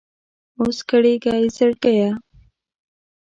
اوس کړېږه اې زړګيه!